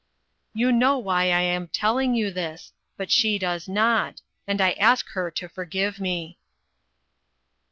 " You know why I am telling you this, but she does not, and I ask her to forgive me."